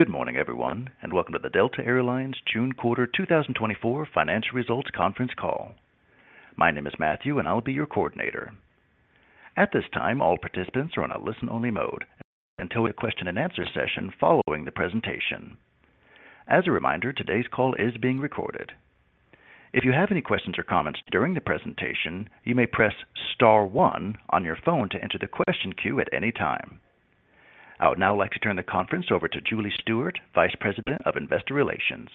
Good morning, everyone, and welcome to the Delta Air Lines June Quarter 2024 Financial Results Conference Call. My name is Matthew, and I'll be your coordinator. At this time, all participants are on a listen-only mode until the question and answer session following the presentation. As a reminder, today's call is being recorded. If you have any questions or comments during the presentation, you may press star one on your phone to enter the question queue at any time. I would now like to turn the conference over to Julie Stewart, Vice President of Investor Relations.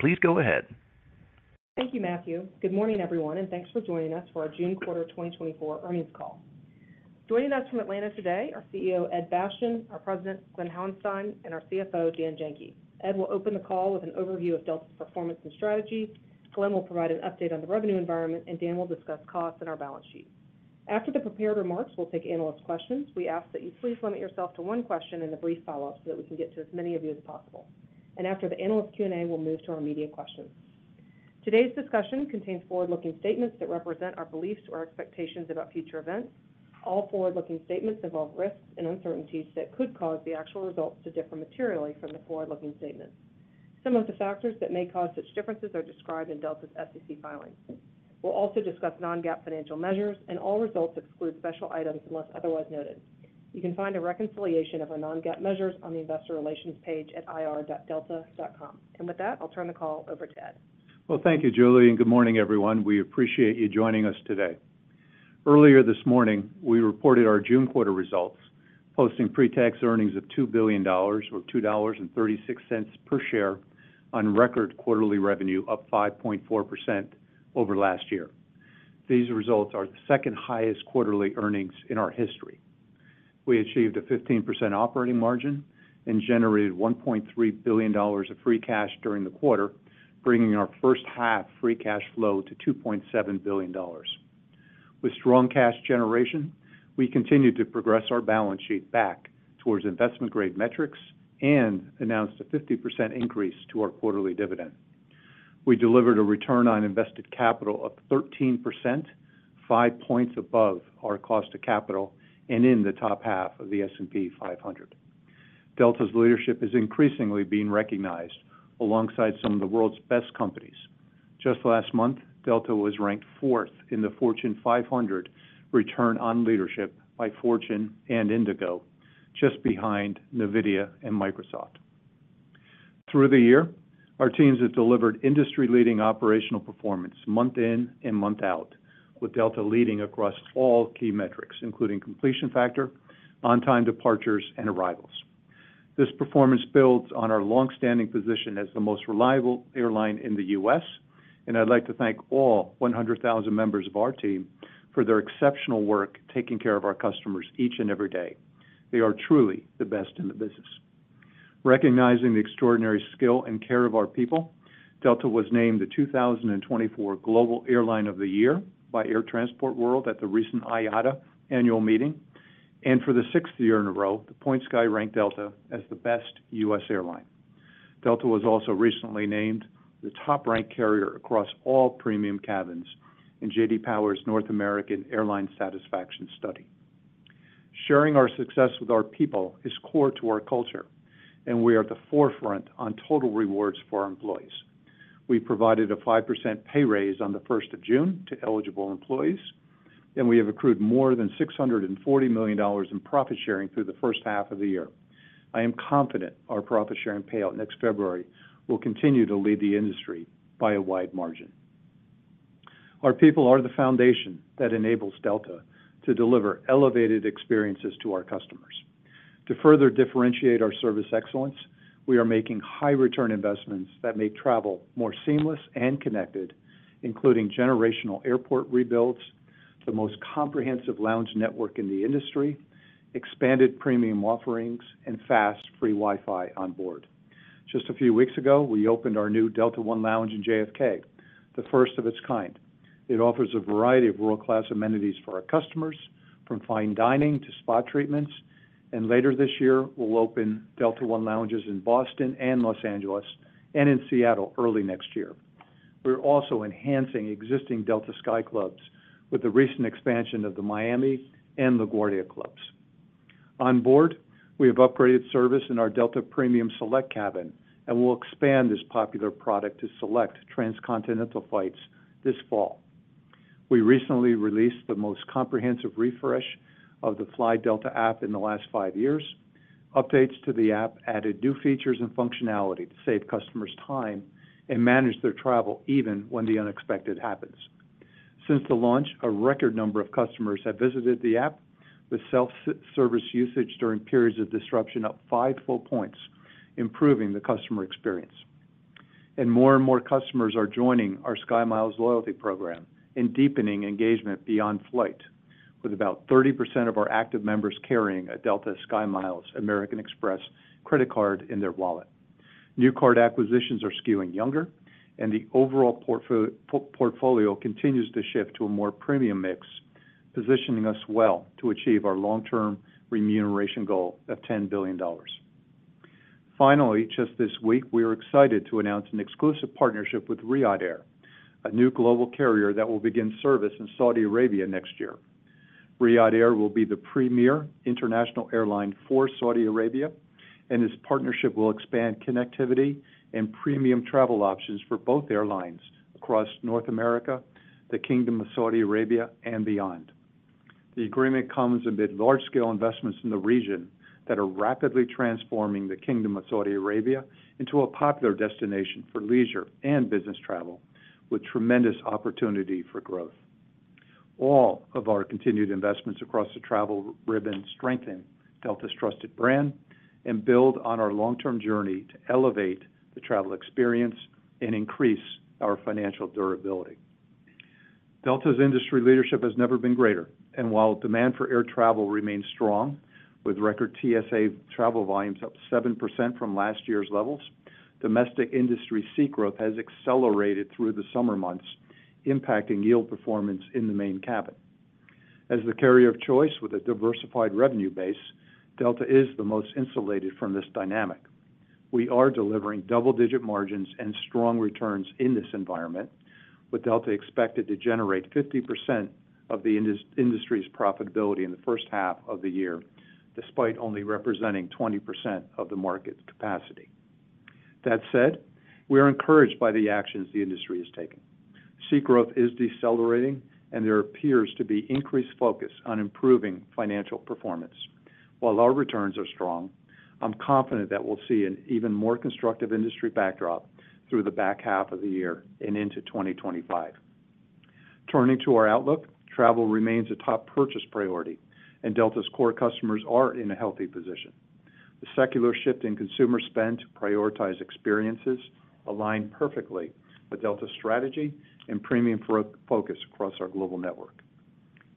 Please go ahead. Thank you, Matthew. Good morning, everyone, and thanks for joining us for our June quarter 2024 earnings call. Joining us from Atlanta today, our CEO, Ed Bastian, our President, Glen Hauenstein, and our CFO, Dan Janki. Ed will open the call with an overview of Delta's performance and strategy. Glen will provide an update on the revenue environment, and Dan will discuss costs and our balance sheet. After the prepared remarks, we'll take analyst questions. We ask that you please limit yourself to one question and a brief follow-up, so that we can get to as many of you as possible. And after the analyst Q&A, we'll move to our media questions. Today's discussion contains forward-looking statements that represent our beliefs or expectations about future events. All forward-looking statements involve risks and uncertainties that could cause the actual results to differ materially from the forward-looking statements. Some of the factors that may cause such differences are described in Delta's SEC filings. We'll also discuss non-GAAP financial measures, and all results exclude special items unless otherwise noted. You can find a reconciliation of our non-GAAP measures on the investor relations page at ir.delta.com. With that, I'll turn the call over to Ed. Well, thank you, Julie, and good morning, everyone. We appreciate you joining us today. Earlier this morning, we reported our June quarter results, posting pre-tax earnings of $2 billion, or $2.36 per share on record quarterly revenue, up 5.4% over last year. These results are the second highest quarterly earnings in our history. We achieved a 15% operating margin and generated $1.3 billion of free cash during the quarter, bringing our first half free cash flow to $2.7 billion. With strong cash generation, we continued to progress our balance sheet back towards investment-grade metrics and announced a 50% increase to our quarterly dividend. We delivered a return on invested capital of 13%, five points above our cost to capital, and in the top half of the S&P 500. Delta's leadership is increasingly being recognized alongside some of the world's best companies. Just last month, Delta was ranked fourth in the Fortune 500 Return on Leadership by Fortune and Indiggo, just behind NVIDIA and Microsoft. Through the year, our teams have delivered industry-leading operational performance month in and month out, with Delta leading across all key metrics, including completion factor, on-time departures, and arrivals. This performance builds on our long-standing position as the most reliable airline in the U.S., and I'd like to thank all 100,000 members of our team for their exceptional work taking care of our customers each and every day. They are truly the best in the business. Recognizing the extraordinary skill and care of our people, Delta was named the 2024 Global Airline of the Year by Air Transport World at the recent IATA Annual Meeting, and for the sixth year in a row, The Points Guy ranked Delta as the best U.S. airline. Delta was also recently named the top-ranked carrier across all premium cabins in J.D. Power's North American Airline Satisfaction study. Sharing our success with our people is core to our culture, and we are at the forefront on total rewards for our employees. We provided a 5% pay raise on the first of June to eligible employees, and we have accrued more than $640 million in profit sharing through the first half of the year. I am confident our profit sharing payout next February will continue to lead the industry by a wide margin. Our people are the foundation that enables Delta to deliver elevated experiences to our customers. To further differentiate our service excellence, we are making high return investments that make travel more seamless and connected, including generational airport rebuilds, the most comprehensive lounge network in the industry, expanded premium offerings, and fast, free Wi-Fi on board. Just a few weeks ago, we opened our new Delta One Lounge in JFK, the first of its kind. It offers a variety of world-class amenities for our customers, from fine dining to spa treatments, and later this year, we'll open Delta One Lounges in Boston and Los Angeles, and in Seattle early next year. We're also enhancing existing Delta Sky Clubs with the recent expansion of the Miami and LaGuardia clubs. On board, we have upgraded service in our Delta Premium Select cabin, and we'll expand this popular product to select transcontinental flights this fall. We recently released the most comprehensive refresh of the Fly Delta app in the last five years. Updates to the app added new features and functionality to save customers time and manage their travel even when the unexpected happens. Since the launch, a record number of customers have visited the app, with self-service usage during periods of disruption up five full points, improving the customer experience. More and more customers are joining our SkyMiles loyalty program and deepening engagement beyond flight, with about 30% of our active members carrying a Delta SkyMiles American Express credit card in their wallet. New card acquisitions are skewing younger, and the overall portfolio continues to shift to a more premium mix, positioning us well to achieve our long-term remuneration goal of $10 billion. Finally, just this week, we are excited to announce an exclusive partnership with Riyadh Air, a new global carrier that will begin service in Saudi Arabia next year. Riyadh Air will be the premier international airline for Saudi Arabia, and this partnership will expand connectivity and premium travel options for both airlines across North America, the Kingdom of Saudi Arabia, and beyond. The agreement comes amid large-scale investments in the region that are rapidly transforming the Kingdom of Saudi Arabia into a popular destination for leisure and business travel, with tremendous opportunity for growth. All of our continued investments across the travel ribbon strengthen Delta's trusted brand and build on our long-term journey to elevate the travel experience and increase our financial durability. Delta's industry leadership has never been greater, and while demand for air travel remains strong, with record TSA travel volumes up 7% from last year's levels, domestic industry seat growth has accelerated through the summer months, impacting yield performance in the Main Cabin. As the carrier of choice with a diversified revenue base, Delta is the most insulated from this dynamic. We are delivering double-digit margins and strong returns in this environment, with Delta expected to generate 50% of the industry's profitability in the first half of the year, despite only representing 20% of the market's capacity. That said, we are encouraged by the actions the industry has taken. Seat growth is decelerating, and there appears to be increased focus on improving financial performance. While our returns are strong, I'm confident that we'll see an even more constructive industry backdrop through the back half of the year and into 2025. Turning to our outlook, travel remains a top purchase priority, and Delta's core customers are in a healthy position. The secular shift in consumer spend to prioritize experiences align perfectly with Delta's strategy and premium focus across our global network.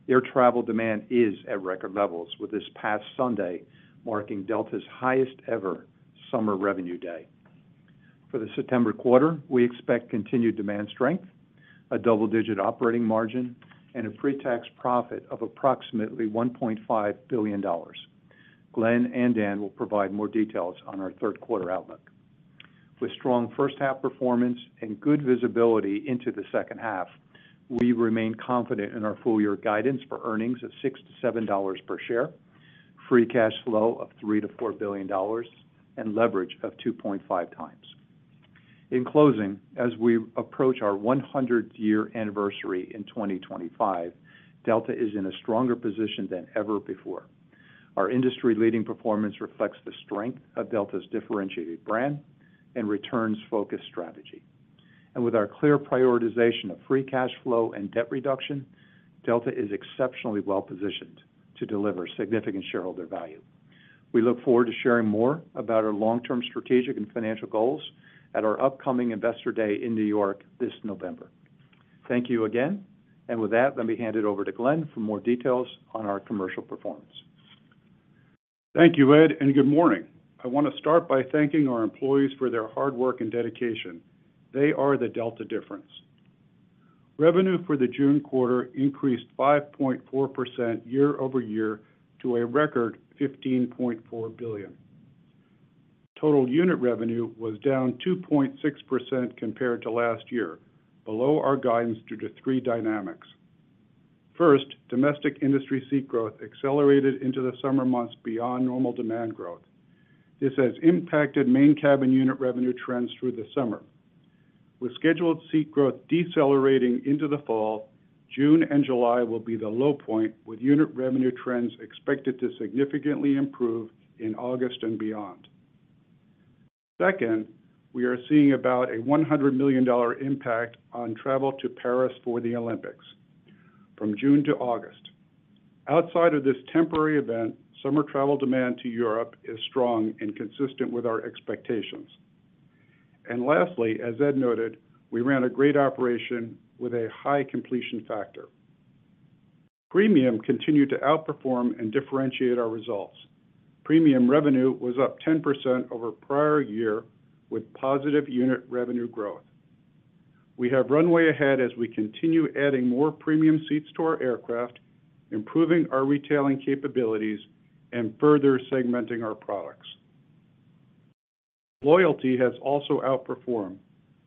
Air travel demand is at record levels, with this past Sunday marking Delta's highest-ever summer revenue day. For the September quarter, we expect continued demand strength, a double-digit operating margin, and a pre-tax profit of approximately $1.5 billion. Glen and Dan will provide more details on our third quarter outlook. With strong first half performance and good visibility into the second half, we remain confident in our full year guidance for earnings of $6-$7 per share, free cash flow of $3 billion-$4 billion, and leverage of 2.5 times. In closing, as we approach our 100-year anniversary in 2025, Delta is in a stronger position than ever before. Our industry-leading performance reflects the strength of Delta's differentiated brand and returns-focused strategy. With our clear prioritization of free cash flow and debt reduction, Delta is exceptionally well positioned to deliver significant shareholder value. We look forward to sharing more about our long-term strategic and financial goals at our upcoming Investor Day in New York this November. Thank you again, and with that, let me hand it over to Glen for more details on our commercial performance. Thank you, Ed, and good morning. I want to start by thanking our employees for their hard work and dedication. They are the Delta difference. Revenue for the June quarter increased 5.4% year-over-year to a record $15.4 billion. Total unit revenue was down 2.6% compared to last year, below our guidance due to three dynamics. First, domestic industry seat growth accelerated into the summer months beyond normal demand growth. This has impacted Main Cabin unit revenue trends through the summer. With scheduled seat growth decelerating into the fall, June and July will be the low point, with unit revenue trends expected to significantly improve in August and beyond. Second, we are seeing about a $100 million impact on travel to Paris for the Olympics from June to August. Outside of this temporary event, summer travel demand to Europe is strong and consistent with our expectations. Lastly, as Ed noted, we ran a great operation with a high completion factor. Premium continued to outperform and differentiate our results. Premium revenue was up 10% over prior year, with positive unit revenue growth. We have runway ahead as we continue adding more premium seats to our aircraft, improving our retailing capabilities, and further segmenting our products. Loyalty has also outperformed,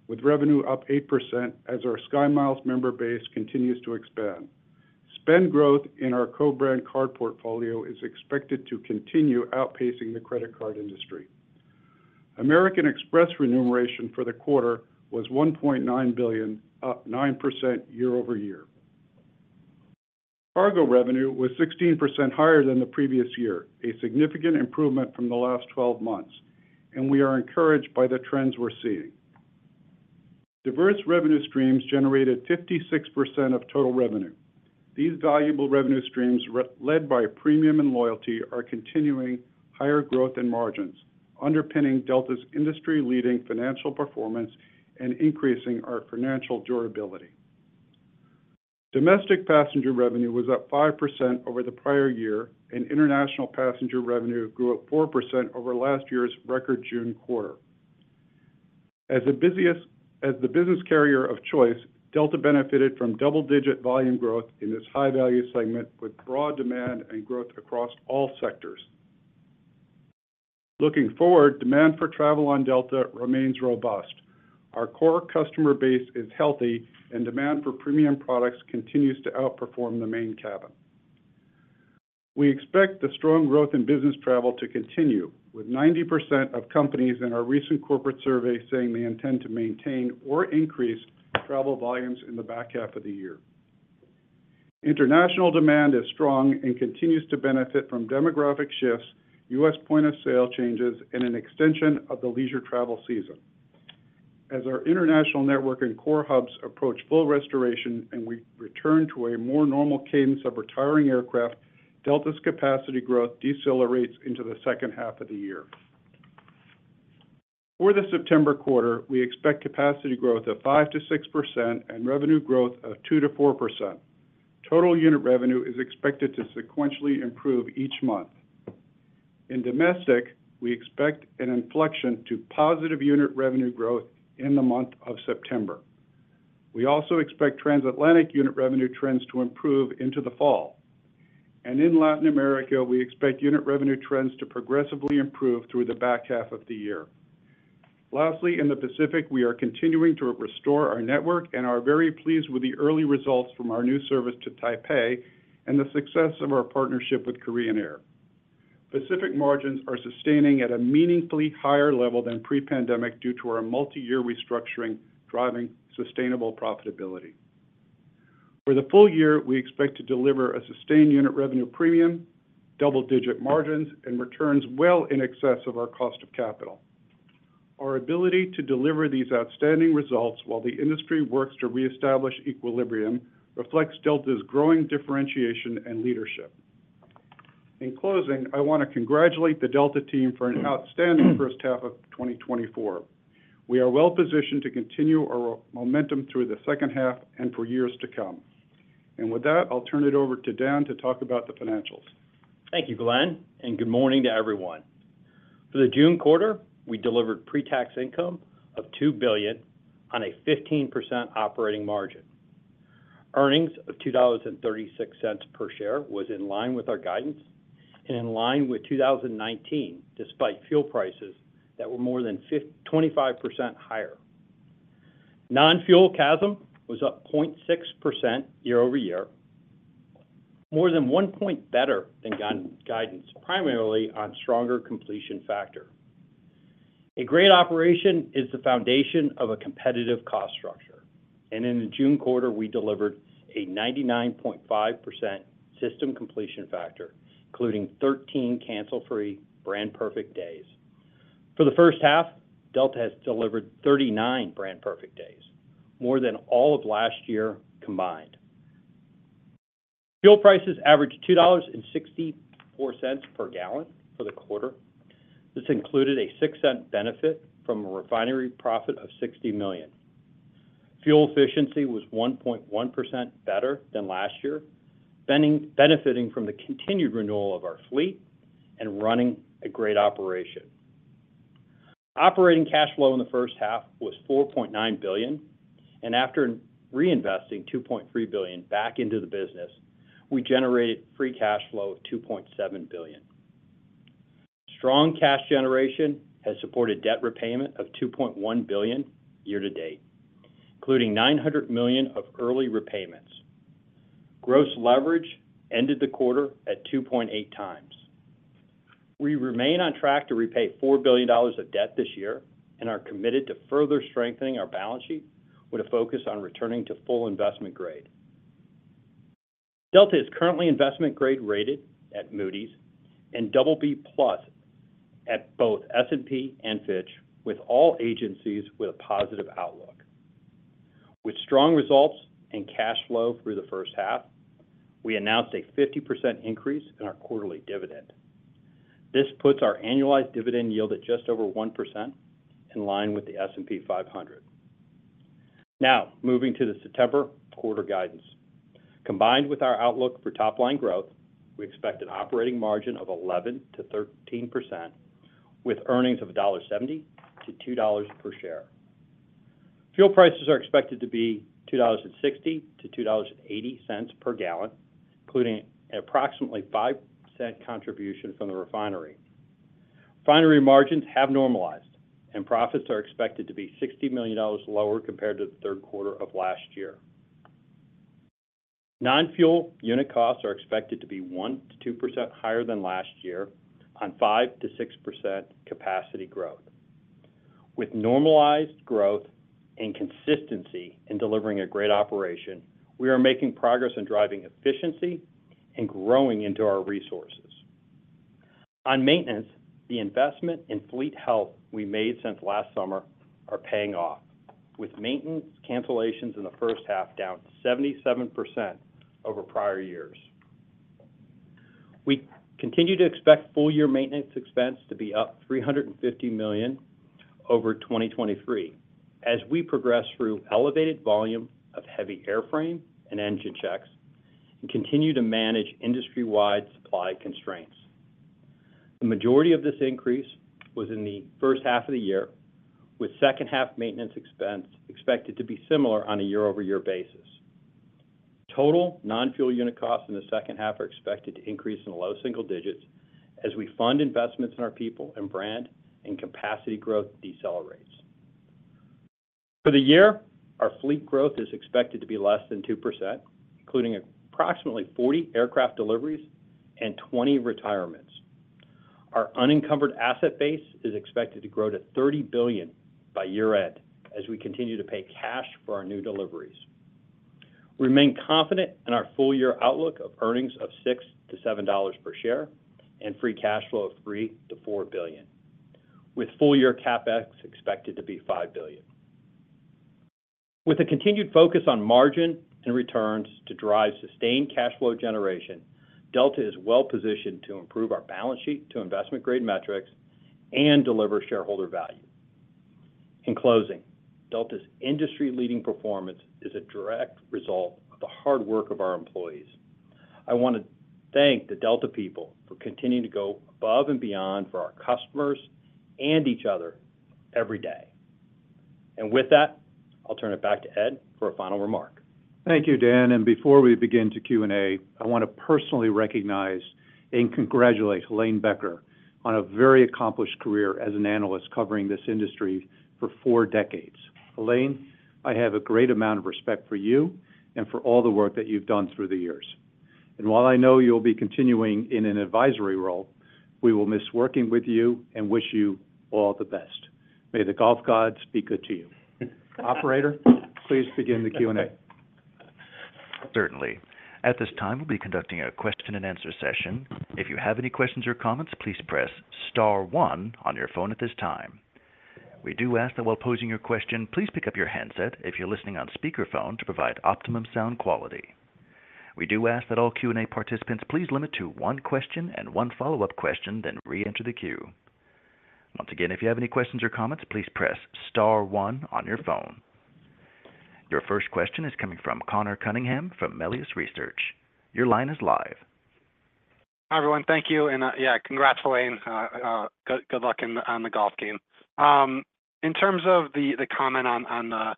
with revenue up 8% as our SkyMiles member base continues to expand. Spend growth in our co-brand card portfolio is expected to continue outpacing the credit card industry. American Express remuneration for the quarter was $1.9 billion, up 9% year-over-year. Cargo revenue was 16% higher than the previous year, a significant improvement from the last 12 months, and we are encouraged by the trends we're seeing. Diverse revenue streams generated 56% of total revenue. These valuable revenue streams, led by premium and loyalty, are continuing higher growth and margins, underpinning Delta's industry-leading financial performance and increasing our financial durability. Domestic passenger revenue was up 5% over the prior year, and international passenger revenue grew up 4% over last year's record June quarter. As the busiest as the business carrier of choice, Delta benefited from double-digit volume growth in this high-value segment, with broad demand and growth across all sectors. Looking forward, demand for travel on Delta remains robust. Our core customer base is healthy, and demand for premium products continues to outperform the main cabin. We expect the strong growth in business travel to continue, with 90% of companies in our recent corporate survey saying they intend to maintain or increase travel volumes in the back half of the year. International demand is strong and continues to benefit from demographic shifts, U.S. point-of-sale changes, and an extension of the leisure travel season. As our international network and core hubs approach full restoration and we return to a more normal cadence of retiring aircraft, Delta's capacity growth decelerates into the second half of the year. For the September quarter, we expect capacity growth of 5%-6% and revenue growth of 2%-4%. Total unit revenue is expected to sequentially improve each month. In domestic, we expect an inflection to positive unit revenue growth in the month of September. We also expect transatlantic unit revenue trends to improve into the fall. And in Latin America, we expect unit revenue trends to progressively improve through the back half of the year. Lastly, in the Pacific, we are continuing to restore our network and are very pleased with the early results from our new service to Taipei and the success of our partnership with Korean Air. Pacific margins are sustaining at a meaningfully higher level than pre-pandemic due to our multi-year restructuring, driving sustainable profitability. For the full year, we expect to deliver a sustained unit revenue premium, double-digit margins, and returns well in excess of our cost of capital. Our ability to deliver these outstanding results while the industry works to reestablish equilibrium, reflects Delta's growing differentiation and leadership. In closing, I want to congratulate the Delta team for an outstanding first half of 2024. We are well-positioned to continue our momentum through the second half and for years to come. With that, I'll turn it over to Dan to talk about the financials. Thank you, Glen, and good morning to everyone. For the June quarter, we delivered pre-tax income of $2 billion on a 15% operating margin. Earnings of $2.36 per share was in line with our guidance and in line with 2019, despite fuel prices that were more than 25% higher. Non-fuel CASM was up 0.6% year-over-year, more than 1 point better than guidance, primarily on stronger completion factor. A great operation is the foundation of a competitive cost structure, and in the June quarter, we delivered a 99.5% system completion factor, including 13 cancel-free Brand Perfect Days. For the first half, Delta has delivered 39 Brand Perfect Days, more than all of last year combined. Fuel prices averaged $2.64 per gallon for the quarter. This included a $0.06 benefit from a refinery profit of $60 million. Fuel efficiency was 1.1% better than last year, benefiting from the continued renewal of our fleet and running a great operation. Operating cash flow in the first half was $4.9 billion, and after reinvesting $2.3 billion back into the business, we generated free cash flow of $2.7 billion. Strong cash generation has supported debt repayment of $2.1 billion year to date, including $900 million of early repayments. Gross leverage ended the quarter at 2.8x. We remain on track to repay $4 billion of debt this year and are committed to further strengthening our balance sheet with a focus on returning to full investment grade. Delta is currently Investment Grade rated at Moody's and BB+ at both S&P and Fitch, with all agencies with a positive outlook. With strong results and cash flow through the first half, we announced a 50% increase in our quarterly dividend. This puts our annualized dividend yield at just over 1% in line with the S&P 500. Now, moving to the September quarter guidance. Combined with our outlook for top-line growth, we expect an operating margin of 11%-13%, with earnings of $1.70-$2.00 per share. Fuel prices are expected to be $2.60-$2.80 per gallon, including approximately 5% contribution from the refinery. Refinery margins have normalized, and profits are expected to be $60 million lower compared to the third quarter of last year. Non-fuel unit costs are expected to be 1%-2% higher than last year on 5%-6% capacity growth. With normalized growth and consistency in delivering a great operation, we are making progress in driving efficiency and growing into our resources. On maintenance, the investment in fleet health we made since last summer are paying off, with maintenance cancellations in the first half down 77% over prior years. We continue to expect full year maintenance expense to be up $350 million over 2023 as we progress through elevated volume of heavy airframe and engine checks, and continue to manage industry-wide supply constraints. The majority of this increase was in the first half of the year, with second half maintenance expense expected to be similar on a year-over-year basis. Total non-fuel unit costs in the second half are expected to increase in the low single digits as we fund investments in our people and brand, and capacity growth decelerates. For the year, our fleet growth is expected to be less than 2%, including approximately 40 aircraft deliveries and 20 retirements. Our unencumbered asset base is expected to grow to $30 billion by year-end as we continue to pay cash for our new deliveries. We remain confident in our full-year outlook of earnings of $6-$7 per share and free cash flow of $3 billion-$4 billion, with full-year CapEx expected to be $5 billion. With a continued focus on margin and returns to drive sustained cash flow generation, Delta is well-positioned to improve our balance sheet to investment-grade metrics and deliver shareholder value. In closing, Delta's industry-leading performance is a direct result of the hard work of our employees. I want to thank the Delta people for continuing to go above and beyond for our customers and each other every day. With that, I'll turn it back to Ed for a final remark. Thank you, Dan. Before we begin to Q&A, I want to personally recognize and congratulate Helane Becker on a very accomplished career as an analyst covering this industry for four decades. Helane, I have a great amount of respect for you and for all the work that you've done through the years. While I know you'll be continuing in an advisory role, we will miss working with you and wish you all the best. May the golf gods be good to you. Operator, please begin the Q&A. Certainly. At this time, we'll be conducting a question and answer session. If you have any questions or comments, please press star one on your phone at this time. We do ask that while posing your question, please pick up your handset if you're listening on speaker phone to provide optimum sound quality. We do ask that all Q&A participants, please limit to one question and one follow-up question, then reenter the queue. Once again, if you have any questions or comments, please press star one on your phone. Your first question is coming from Conor Cunningham from Melius Research. Your line is live. Hi, everyone. Thank you. Yeah, congrats, Helane. Good luck in, on the golf game. In terms of the comment on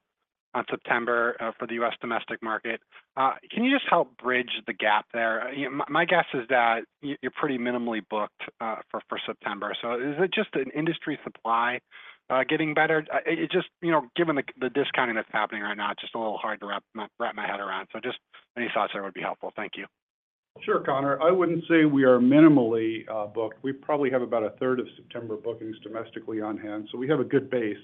September for the U.S. domestic market, can you just help bridge the gap there? You know, my guess is that you're pretty minimally booked for September. So is it just an industry supply getting better? It just, you know, given the discounting that's happening right now, it's just a little hard to wrap my head around. So just any thoughts there would be helpful. Thank you. Sure, Connor. I wouldn't say we are minimally booked. We probably have about a third of September bookings domestically on hand, so we have a good base.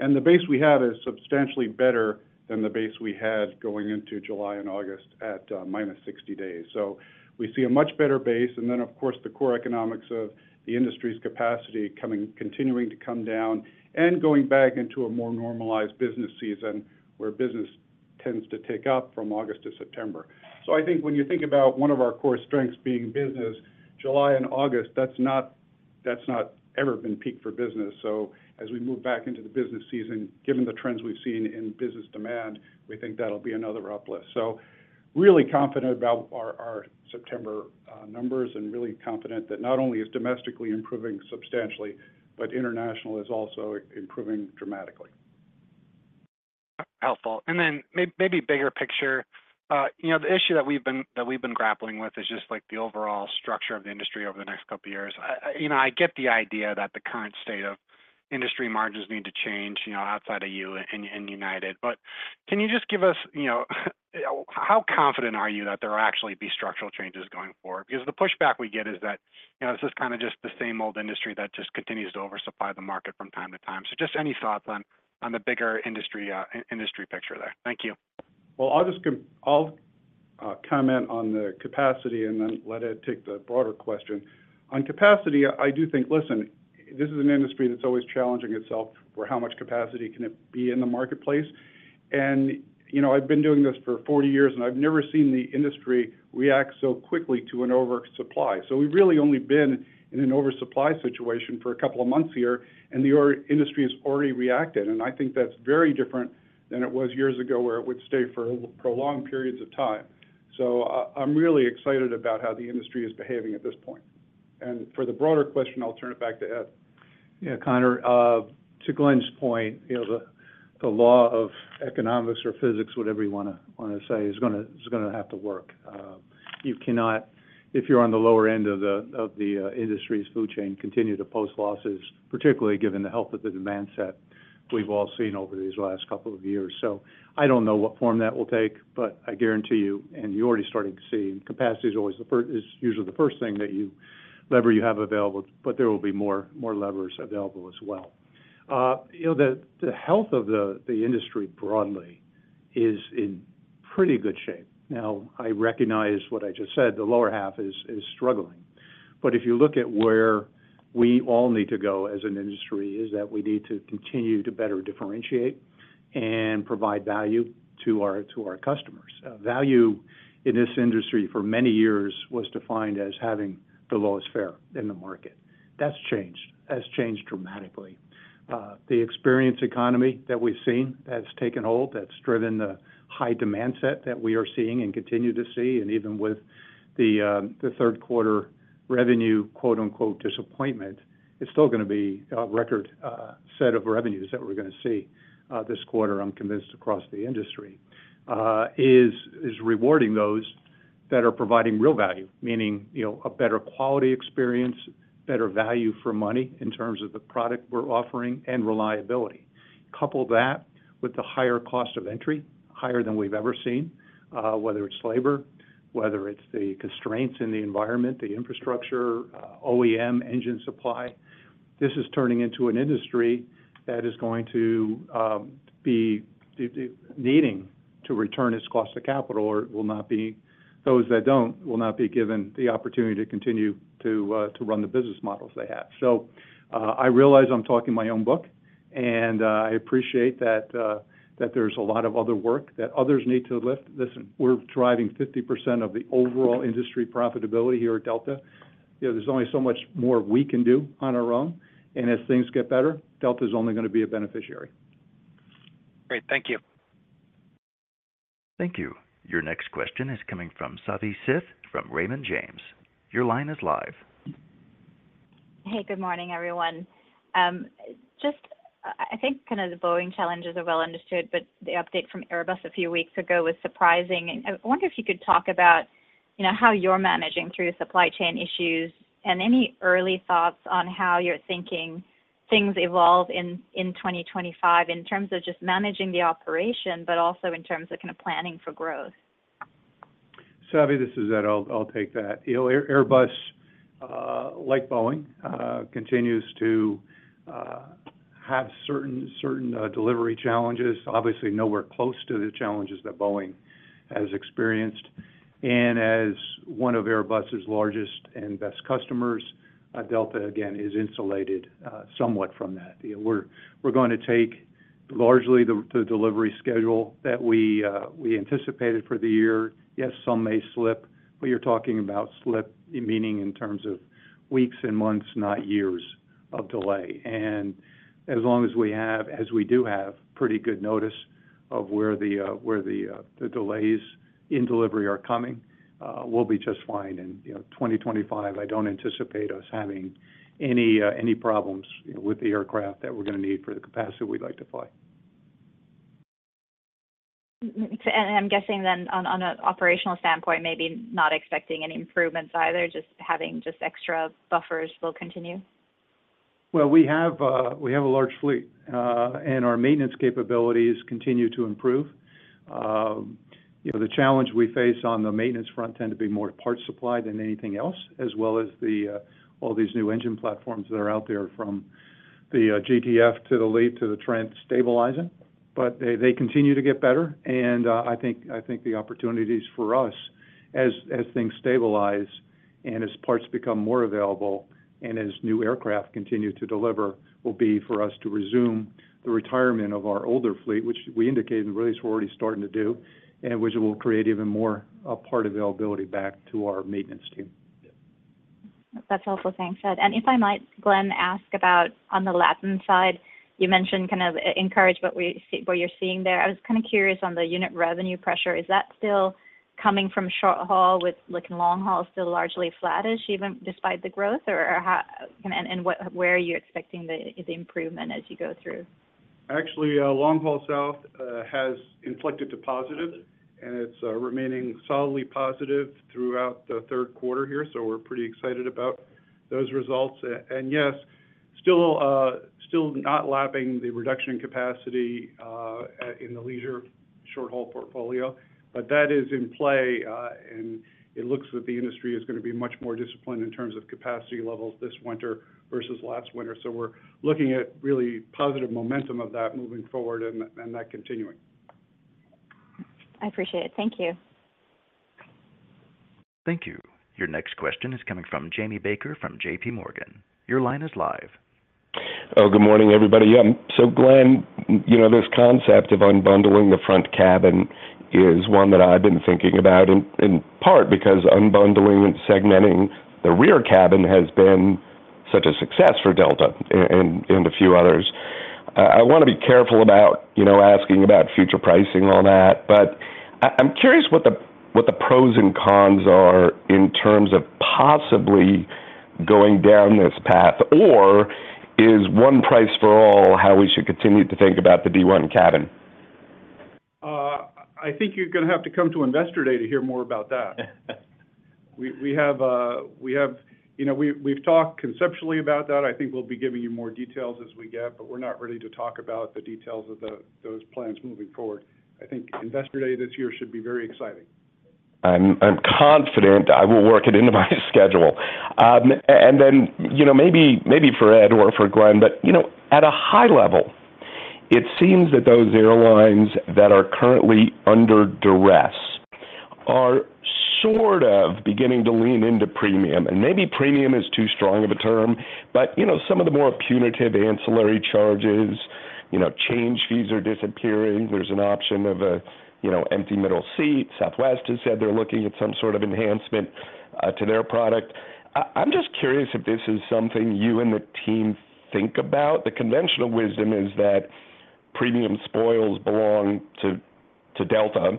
And the base we have is substantially better than the base we had going into July and August at minus 60 days. So we see a much better base, and then, of course, the core economics of the industry's capacity continuing to come down and going back into a more normalized business season, where business tends to tick up from August to September. So I think when you think about one of our core strengths being business, July and August, that's not, that's not ever been peak for business. So as we move back into the business season, given the trends we've seen in business demand, we think that'll be another uplift. Really confident about our September numbers, and really confident that not only is domestically improving substantially, but international is also improving dramatically. Helpful. Then maybe bigger picture. You know, the issue that we've been grappling with is just, like, the overall structure of the industry over the next couple of years. You know, I get the idea that the current state of industry margins need to change, you know, outside of you and United. But can you just give us, you know, how confident are you that there will actually be structural changes going forward? Because the pushback we get is that, you know, this is kind of just the same old industry that just continues to oversupply the market from time to time. So just any thoughts on the bigger industry picture there. Thank you. Well, I'll just comment on the capacity and then let Ed take the broader question. On capacity, I do think, listen, this is an industry that's always challenging itself for how much capacity can it be in the marketplace. And, you know, I've been doing this for 40 years, and I've never seen the industry react so quickly to an oversupply. So we've really only been in an oversupply situation for a couple of months here, and the industry has already reacted, and I think that's very different than it was years ago, where it would stay for a prolonged periods of time. So I'm really excited about how the industry is behaving at this point. And for the broader question, I'll turn it back to Ed. Yeah, Connor, to Glen's point, you know, the law of economics or physics, whatever you wanna say, is gonna have to work. You cannot, if you're on the lower end of the industry's food chain, continue to post losses, particularly given the health of the demand set we've all seen over these last couple of years. So I don't know what form that will take, but I guarantee you, and you're already starting to see, capacity is usually the first lever you have available, but there will be more levers available as well. You know, the health of the industry broadly is in pretty good shape. Now, I recognize what I just said, the lower half is, is struggling, but if you look at where we all need to go as an industry, is that we need to continue to better differentiate and provide value to our, to our customers. Value in this industry for many years was defined as having the lowest fare in the market. That's changed. That's changed dramatically. The experience economy that we've seen has taken hold. That's driven the high demand set that we are seeing and continue to see, and even with the, the third quarter... Revenue, quote unquote, "disappointment," is still gonna be a record set of revenues that we're gonna see this quarter. I'm convinced across the industry is rewarding those that are providing real value, meaning, you know, a better quality experience, better value for money in terms of the product we're offering, and reliability. Couple that with the higher cost of entry, higher than we've ever seen, whether it's labor, whether it's the constraints in the environment, the infrastructure, OEM, engine supply. This is turning into an industry that is going to be needing to return its cost of capital, or it will not be. Those that don't, will not be given the opportunity to continue to run the business models they have. So, I realize I'm talking my own book, and I appreciate that that there's a lot of other work that others need to lift. Listen, we're driving 50% of the overall industry profitability here at Delta. You know, there's only so much more we can do on our own, and as things get better, Delta's only gonna be a beneficiary. Great. Thank you. Thank you. Your next question is coming from Savi Syth from Raymond James. Your line is live. Hey, good morning, everyone. Just, I think kind of the Boeing challenges are well understood, but the update from Airbus a few weeks ago was surprising. And I wonder if you could talk about, you know, how you're managing through supply chain issues, and any early thoughts on how you're thinking things evolve in 2025, in terms of just managing the operation, but also in terms of kind of planning for growth. Savi, this is Ed. I'll take that. You know, Airbus, like Boeing, continues to have certain, certain delivery challenges. Obviously, nowhere close to the challenges that Boeing has experienced. And as one of Airbus's largest and best customers, Delta, again, is insulated somewhat from that. You know, we're going to take largely the delivery schedule that we anticipated for the year. Yes, some may slip, but you're talking about slip, meaning in terms of weeks and months, not years of delay. And as long as we have, as we do have, pretty good notice of where the delays in delivery are coming, we'll be just fine. You know, 2025, I don't anticipate us having any, any problems, with the aircraft that we're gonna need for the capacity we'd like to fly. Mmm, and I'm guessing then, on an operational standpoint, maybe not expecting any improvements either, just having extra buffers will continue? Well, we have a large fleet, and our maintenance capabilities continue to improve. You know, the challenge we face on the maintenance front tends to be more parts supply than anything else, as well as all these new engine platforms that are out there, from the GTF to the LEAP to the Trent stabilizing. But they continue to get better, and I think the opportunities for us as things stabilize and as parts become more available and as new aircraft continue to deliver will be for us to resume the retirement of our older fleet, which we indicated, and really we're already starting to do, and which will create even more part availability back to our maintenance team. That's helpful. Thanks, Ed. And if I might, Glen, ask about on the Latin side, you mentioned kind of encouragement where you—what you're seeing there. I was kind of curious on the unit revenue pressure, is that still coming from short haul with, like, long haul still largely flattish, even despite the growth? Or, how, and, and what, where are you expecting the, the improvement as you go through? Actually, long haul South has inflected to positive, and it's remaining solidly positive throughout the third quarter here, so we're pretty excited about those results. And yes, still still not lapping the reduction in capacity in the leisure short-haul portfolio, but that is in play, and it looks that the industry is gonna be much more disciplined in terms of capacity levels this winter versus last winter. So we're looking at really positive momentum of that moving forward and that, and that continuing. I appreciate it. Thank you. Thank you. Your next question is coming from Jamie Baker, from JPMorgan. Your line is live. Oh, good morning, everybody. Yeah, so Glen, you know, this concept of unbundling the front cabin is one that I've been thinking about, and in part, because unbundling and segmenting the rear cabin has been such a success for Delta and, and, and a few others. I, I wanna be careful about, you know, asking about future pricing and all that, but I, I'm curious what the, what the pros and cons are in terms of possibly going down this path, or is one price for all, how we should continue to think about the Delta One cabin? I think you're gonna have to come to Investor Day to hear more about that. We have. You know, we've talked conceptually about that. I think we'll be giving you more details as we get, but we're not ready to talk about the details of those plans moving forward. I think Investor Day this year should be very exciting. I'm confident I will work it into my schedule. And then, you know, maybe for Ed or for Glen, but, you know, at a high level, it seems that those airlines that are currently under duress are sort of beginning to lean into premium, and maybe premium is too strong of a term, but, you know, some of the more punitive ancillary charges, you know, change fees are disappearing. There's an option of a, you know, empty middle seat. Southwest has said they're looking at some sort of enhancement to their product. I'm just curious if this is something you and the team think about. The conventional wisdom is that premium spoils belong to Delta.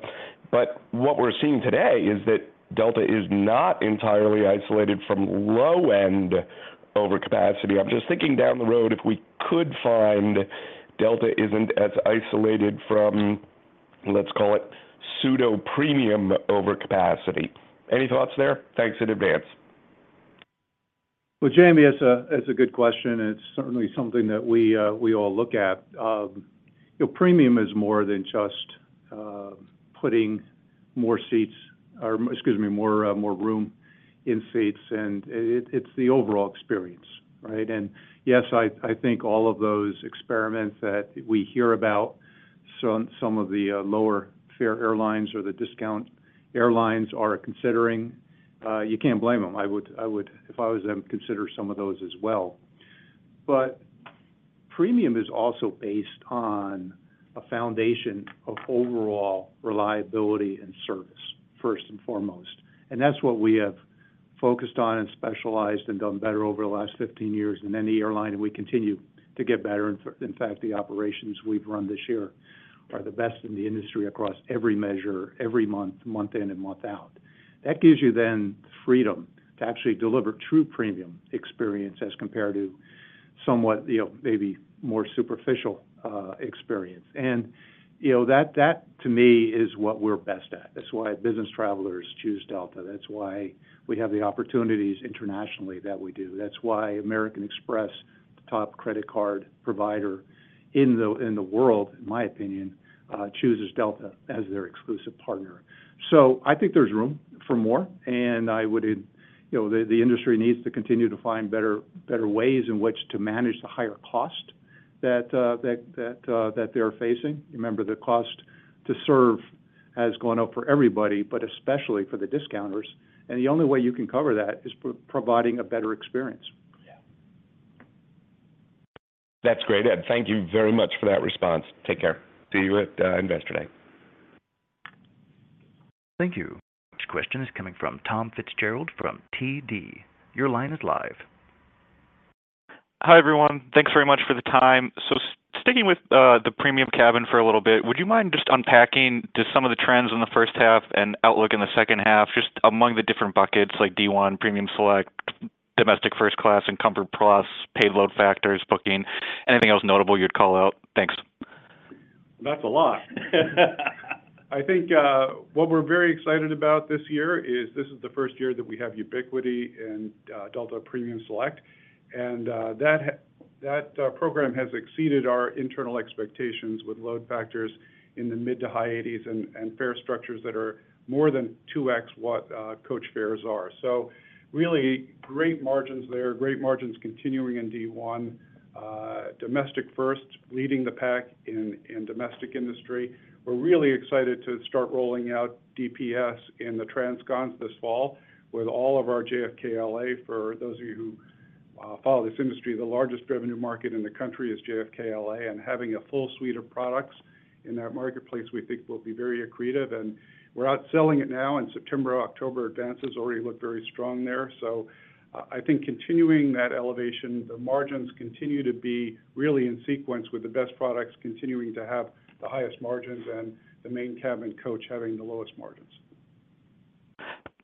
But what we're seeing today is that Delta is not entirely isolated from low-end overcapacity. I'm just thinking, down the road, if we could find Delta isn't as isolated from, let's call it, pseudo-premium overcapacity. Any thoughts there? Thanks in advance. Well, Jamie, that's a good question, and it's certainly something that we all look at. You know, premium is more than just putting more seats or, excuse me, more room in seats, and it's the overall experience, right? And yes, I think all of those experiments that we hear about, some of the lower-fare airlines or the discount airlines are considering, you can't blame them. I would, if I was them, consider some of those as well. But premium is also based on a foundation of overall reliability and service, first and foremost, and that's what we have focused on and specialized and done better over the last 15 years than any airline, and we continue to get better. In fact, the operations we've run this year are the best in the industry across every measure, every month in and month out. That gives you then freedom to actually deliver true premium experience as compared to somewhat, you know, maybe more superficial experience. And, you know, that, to me, is what we're best at. That's why business travelers choose Delta. That's why we have the opportunities internationally that we do. That's why American Express, the top credit card provider in the world, in my opinion, chooses Delta as their exclusive partner. So I think there's room for more, and I would, you know. The industry needs to continue to find better ways in which to manage the higher cost that they're facing. Remember, the cost to serve has gone up for everybody, but especially for the discounters, and the only way you can cover that is providing a better experience. Yeah. That's great, Ed. Thank you very much for that response. Take care. See you at Investor Day. Thank you. Next question is coming from Tom Fitzgerald from TD. Your line is live. Hi, everyone. Thanks very much for the time. So sticking with the premium cabin for a little bit, would you mind just unpacking just some of the trends in the first half and outlook in the second half, just among the different buckets, like D1, Premium Select, Domestic First Class and Comfort+, paid load factors, booking, anything else notable you'd call out? Thanks. That's a lot. I think what we're very excited about this year is this is the first year that we have ubiquity in Delta Premium Select, and that program has exceeded our internal expectations with load factors in the mid- to high 80s and fare structures that are more than 2x what coach fares are. So really great margins there, great margins continuing in D1, Domestic First, leading the pack in domestic industry. We're really excited to start rolling out DPS in the transcon this fall with all of our JFK-LA. For those of you who follow this industry, the largest revenue market in the country is JFK-LA, and having a full suite of products in that marketplace, we think, will be very accretive. And we're out selling it now, and September, October advances already look very strong there. So I, I think continuing that elevation, the margins continue to be really in sequence with the best products, continuing to have the highest margins and the Main Cabin coach having the lowest margins.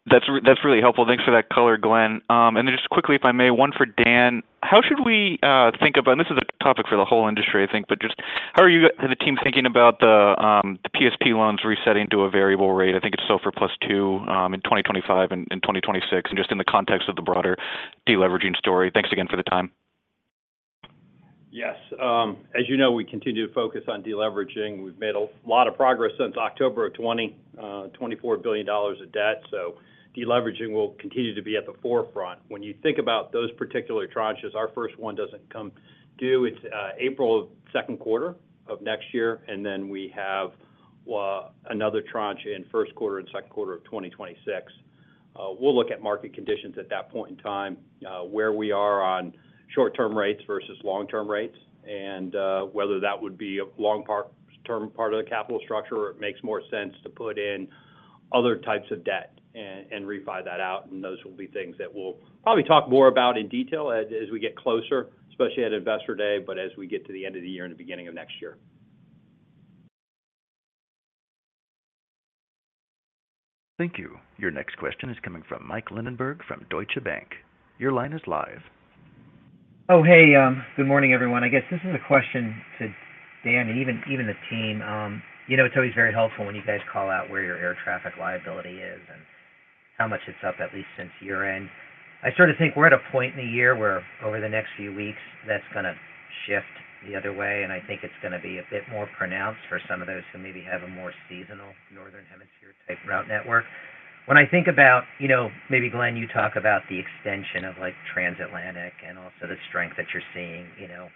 That's really helpful. Thanks for that color, Glen. And then just quickly, if I may, one for Dan. How should we think about... And this is a topic for the whole industry, I think, but just how are you and the team thinking about the PSP loans resetting to a variable rate? I think it's SOFR + 2 in 2025 and 2026, and just in the context of the broader deleveraging story. Thanks again for the time. Yes. As you know, we continue to focus on deleveraging. We've made a lot of progress since October of 2020, $24 billion of debt, so deleveraging will continue to be at the forefront. When you think about those particular tranches, our first one doesn't come due. It's April of second quarter of next year, and then we have another tranche in first quarter and second quarter of 2026. We'll look at market conditions at that point in time, where we are on short-term rates versus long-term rates, and whether that would be a long-term part of the capital structure, or it makes more sense to put in other types of debt and refi that out. Those will be things that we'll probably talk more about in detail as we get closer, especially at Investor Day, but as we get to the end of the year and the beginning of next year. Thank you. Your next question is coming from Michael Linenberg from Deutsche Bank. Your line is live. Oh, hey, good morning, everyone. I guess this is a question to Dan and even, even the team. You know, it's always very helpful when you guys call out where your air traffic liability is and how much it's up, at least since year-end. I sort of think we're at a point in the year where over the next few weeks, that's gonna shift the other way, and I think it's gonna be a bit more pronounced for some of those who maybe have a more seasonal Northern Hemisphere type route network. When I think about, you know, maybe, Glen, you talk about the extension of, like, transatlantic and also the strength that you're seeing, you know,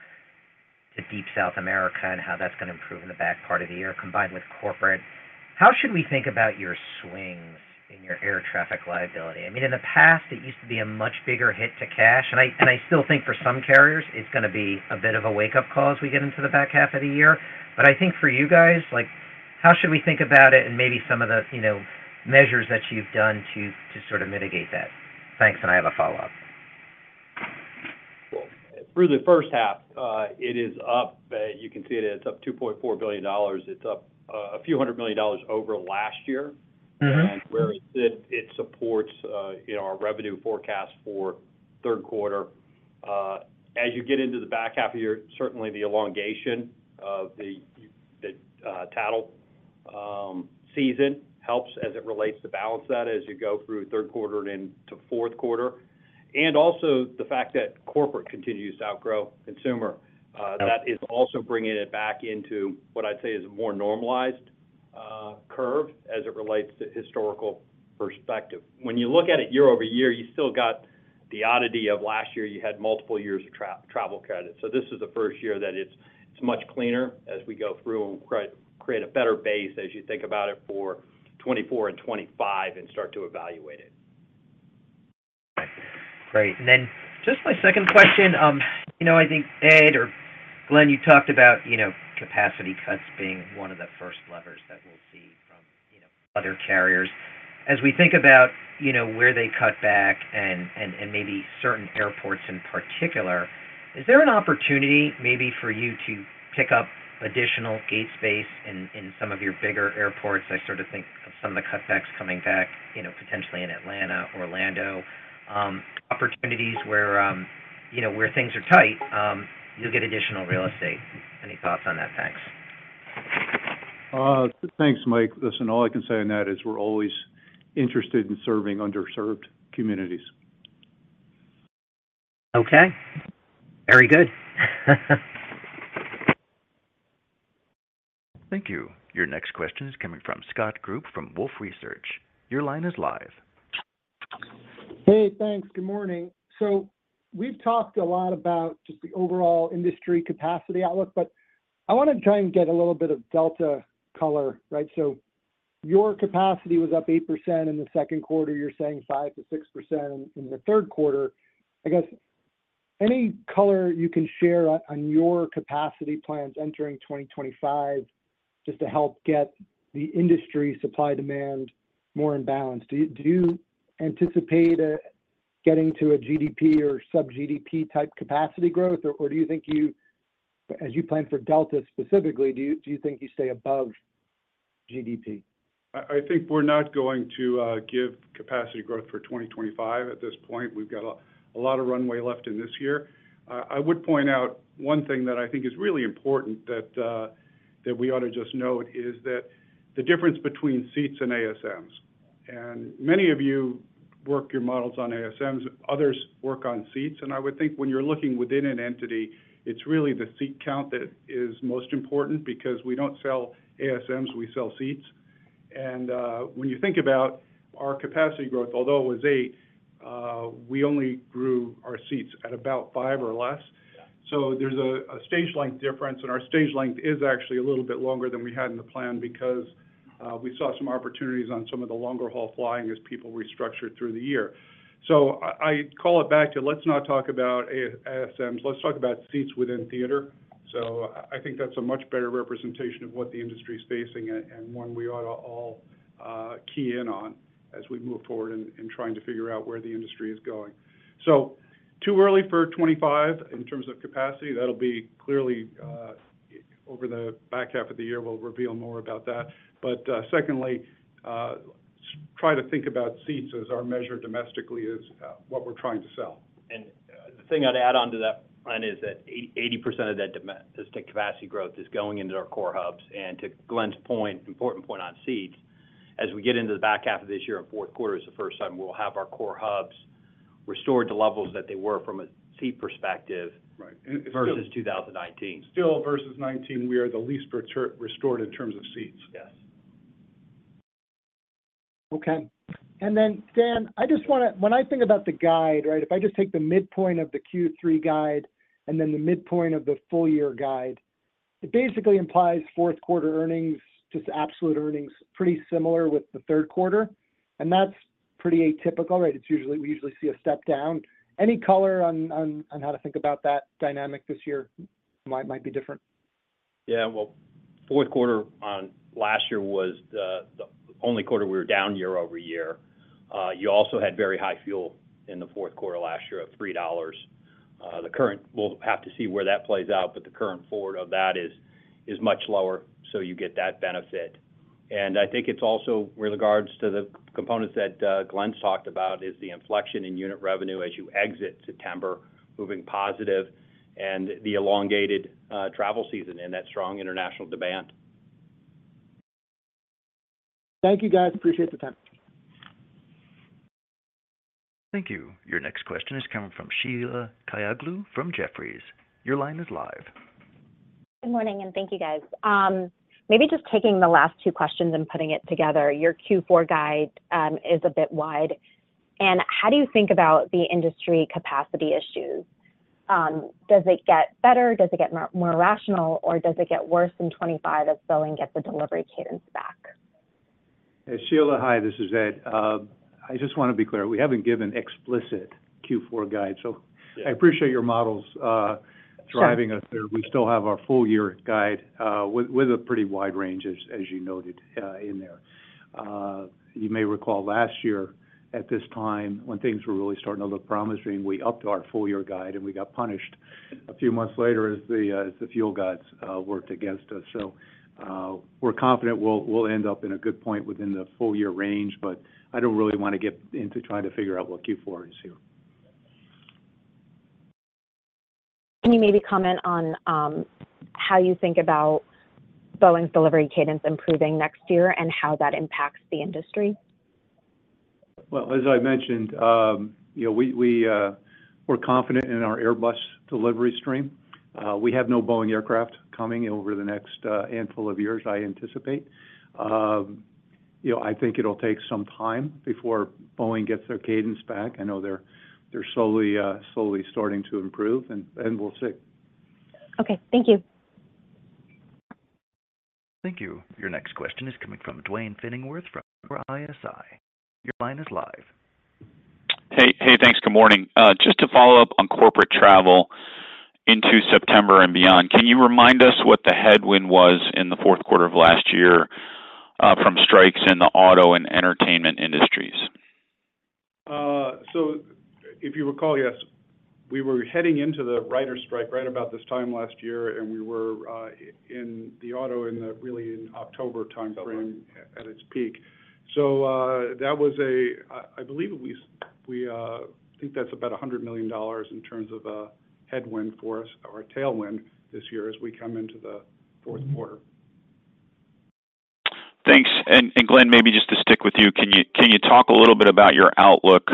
to deep South America and how that's gonna improve in the back part of the year, combined with corporate. How should we think about your swings in your air traffic liability? I mean, in the past, it used to be a much bigger hit to cash, and I still think for some carriers, it's gonna be a bit of a wake-up call as we get into the back half of the year. But I think for you guys, like, how should we think about it and maybe some of the, you know, measures that you've done to, to sort of mitigate that? Thanks, and I have a follow-up. Through the first half, it is up. You can see it, it's up $2.4 billion. It's up, a few hundred million dollars over last year. Mm-hmm. Where it sits, it supports, you know, our revenue forecast for third quarter. As you get into the back half of the year, certainly the elongation of the travel season helps as it relates to balance that as you go through third quarter and into fourth quarter. Also the fact that corporate continues to outgrow consumer. That is also bringing it back into what I'd say is a more normalized curve as it relates to historical perspective. When you look at it year-over-year, you still got the oddity of last year, you had multiple years of travel credit. So this is the first year that it's much cleaner as we go through and create a better base as you think about it for 2024 and 2025 and start to evaluate it. Great. Then just my second question, you know, I think Ed or Glen, you talked about, you know, capacity cuts being one of the first levers that we'll see from, you know, other carriers. As we think about, you know, where they cut back and maybe certain airports in particular, is there an opportunity maybe for you to pick up additional gate space in some of your bigger airports? I sort of think of some of the cutbacks coming back, you know, potentially in Atlanta, Orlando, opportunities where, you know, where things are tight, you'll get additional real estate. Any thoughts on that? Thanks. Thanks, Mike. Listen, all I can say on that is we're always interested in serving underserved communities. Okay. Very good. Thank you. Your next question is coming from Scott Group, from Wolfe Research. Your line is live. Hey, thanks. Good morning. So we've talked a lot about just the overall industry capacity outlook, but I want to try and get a little bit of Delta color, right? So your capacity was up 8% in the second quarter. You're saying 5%-6% in the third quarter. I guess any color you can share on your capacity plans entering 2025, just to help get the industry supply-demand more in balance. Do you anticipate getting to a GDP or sub-GDP type capacity growth? Or do you think you as you plan for Delta specifically, do you think you stay above GDP? I think we're not going to give capacity growth for 2025 at this point. We've got a lot of runway left in this year. I would point out one thing that I think is really important that we ought to just note, is that the difference between seats and ASMs. Many of you work your models on ASMs, others work on seats, and I would think when you're looking within an entity, it's really the seat count that is most important, because we don't sell ASMs, we sell seats. When you think about our capacity growth, although it was eight, we only grew our seats at about five or less. Yeah. So there's a stage length difference, and our stage length is actually a little bit longer than we had in the plan because we saw some opportunities on some of the longer haul flying as people restructured through the year. So I call it back to let's not talk about ASMs, let's talk about seats within theater. So I think that's a much better representation of what the industry is facing and one we ought to all key in on as we move forward in trying to figure out where the industry is going. So too early for 2025 in terms of capacity. That'll be clearly over the back half of the year, we'll reveal more about that. But secondly, try to think about seats as our measure domestically is what we're trying to sell. And, the thing I'd add on to that, Glen, is that 80% of that the capacity growth is going into our core hubs. And to Glen's point, important point on seats, as we get into the back half of this year and fourth quarter is the first time we'll have our core hubs restored to levels that they were from a seat perspective- Right. - versus 2019. Still versus 2019, we are the least restored in terms of seats. Yes. Okay. And then, Dan, I just wanna, when I think about the guide, right? If I just take the midpoint of the Q3 guide and then the midpoint of the full year guide, it basically implies fourth quarter earnings, just absolute earnings, pretty similar with the third quarter, and that's pretty atypical, right? It's usually we usually see a step down. Any color on how to think about that dynamic this year might be different? Yeah, well, fourth quarter last year was the only quarter we were down year-over-year. You also had very high fuel in the fourth quarter last year of $3. The current, we'll have to see where that plays out, but the current forward of that is much lower, so you get that benefit. And I think it's also with regards to the components that Glen's talked about, is the inflection in unit revenue as you exit September, moving positive, and the elongated travel season and that strong international demand. Thank you, guys. Appreciate the time. Thank you. Your next question is coming from Sheila Kahyaoglu from Jefferies. Your line is live. Good morning, and thank you, guys. Maybe just taking the last two questions and putting it together, your Q4 guide is a bit wide. How do you think about the industry capacity issues? Does it get better, does it get more, more rational, or does it get worse in 2025 as Boeing gets the delivery cadence back? Hey, Sheila, hi, this is Ed. I just want to be clear, we haven't given explicit Q4 guide, so- Yeah I appreciate your models driving us there. We still have our full-year guide with a pretty wide range, as you noted in there. You may recall last year, at this time, when things were really starting to look promising, we upped our full-year guide, and we got punished a few months later as the fuel guides worked against us. So, we're confident we'll end up in a good point within the full-year range, but I don't really want to get into trying to figure out what Q4 is here. Can you maybe comment on how you think about Boeing's delivery cadence improving next year and how that impacts the industry? Well, as I mentioned, you know, we're confident in our Airbus delivery stream. We have no Boeing aircraft coming over the next handful of years, I anticipate. You know, I think it'll take some time before Boeing gets their cadence back. I know they're slowly starting to improve, and we'll see. Okay. Thank you. Thank you. Your next question is coming from Duane Pfennigwerth from ISI. Your line is live. Hey, hey, thanks. Good morning. Just to follow up on corporate travel into September and beyond, can you remind us what the headwind was in the fourth quarter of last year, from strikes in the auto and entertainment industries? So if you recall, yes, we were heading into the writers' strike right about this time last year, and we were in the auto, really in October timeframe. September At its peak. So, that was a, I believe we, I think that's about $100 million in terms of a headwind for us or a tailwind this year as we come into the fourth quarter. Thanks. And, Glen, maybe just to stick with you, can you talk a little bit about your outlook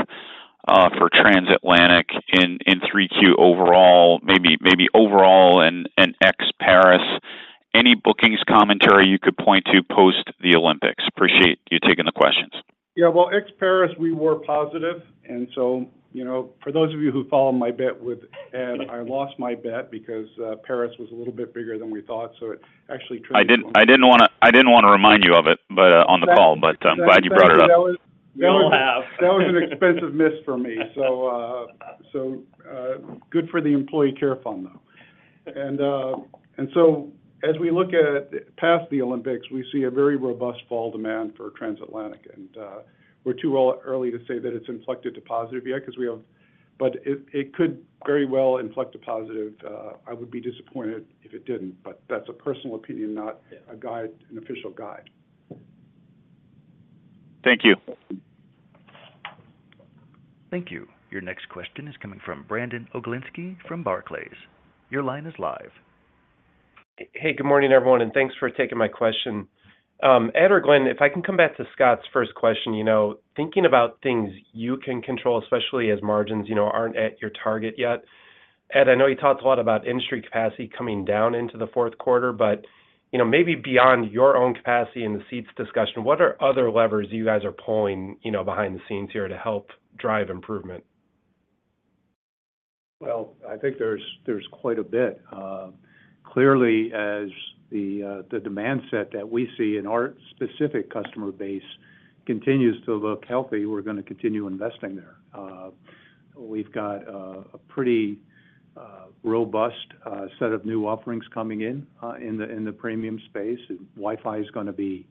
for transatlantic in 3Q overall, maybe overall and ex-Paris? Any bookings commentary you could point to post the Olympics. Appreciate you taking the questions. Yeah, well, ex-Paris, we were positive, and so, you know, for those of you who follow my bet with Ed, I lost my bet because Paris was a little bit bigger than we thought, so it actually turned- I didn't wanna remind you of it, but on the call. That- I'm glad you brought it up. That was- We all have. That was an expensive miss for me. So, good for the employee care fund, though. And so as we look past the Olympics, we see a very robust fall demand for transatlantic, and we're too early to say that it's inflected to positive yet because we have. But it could very well inflect to positive. I would be disappointed if it didn't, but that's a personal opinion, not a guide, an official guide. Thank you. Thank you. Your next question is coming from Brandon Oglenski from Barclays. Your line is live. Hey, good morning, everyone, and thanks for taking my question. Ed or Glen, if I can come back to Scott's first question, you know, thinking about things you can control, especially as margins, you know, aren't at your target yet. Ed, I know you talked a lot about industry capacity coming down into the fourth quarter, but, you know, maybe beyond your own capacity in the seats discussion, what are other levers you guys are pulling, you know, behind the scenes here to help drive improvement? Well, I think there's quite a bit. Clearly, as the demand set that we see in our specific customer base continues to look healthy, we're gonna continue investing there. We've got a pretty robust set of new offerings coming in in the premium space. Wi-Fi is gonna be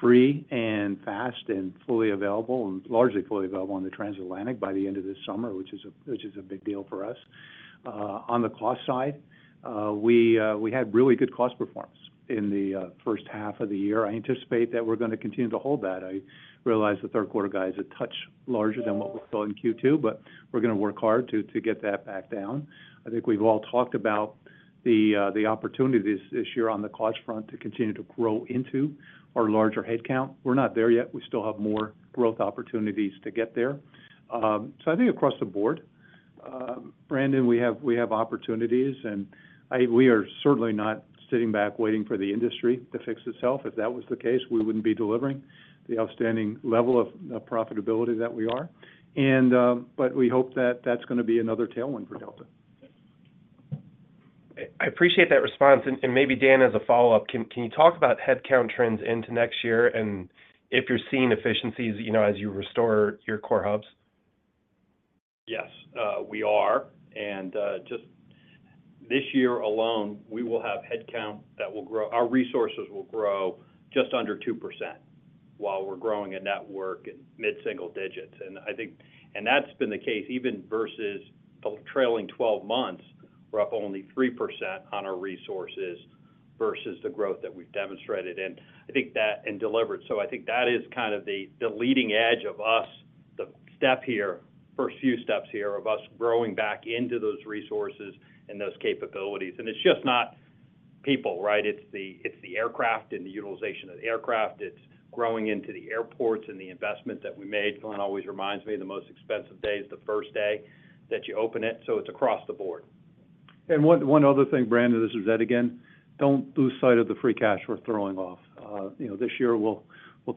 free and fast and fully available, and largely fully available on the transatlantic by the end of this summer, which is a big deal for us. On the cost side, we had really good cost performance in the first half of the year. I anticipate that we're gonna continue to hold that. I realize the third quarter guide is a touch larger than what we saw in Q2, but we're gonna work hard to get that back down. I think we've all talked about the opportunities this year on the cost front to continue to grow into our larger headcount. We're not there yet. We still have more growth opportunities to get there. So I think across the board, Brandon, we have opportunities, and we are certainly not sitting back, waiting for the industry to fix itself. If that was the case, we wouldn't be delivering the outstanding level of profitability that we are. But we hope that that's gonna be another tailwind for Delta. I appreciate that response. And maybe, Dan, as a follow-up, can you talk about headcount trends into next year and if you're seeing efficiencies, you know, as you restore your core hubs? Yes, we are. And just this year alone, we will have headcount that will grow—our resources will grow just under 2% while we're growing a network in mid-single digits. And I think. And that's been the case even versus the trailing twelve months, we're up only 3% on our resources versus the growth that we've demonstrated, and I think that—and delivered. So I think that is kind of the, the leading edge of us, the step here, first few steps here of us growing back into those resources and those capabilities. And it's just not people, right? It's the, it's the aircraft and the utilization of the aircraft. It's growing into the airports and the investment that we made. Glen always reminds me, the most expensive day is the first day that you open it, so it's across the board. One other thing, Brandon, this is Ed again. Don't lose sight of the free cash we're throwing off. You know, this year, we'll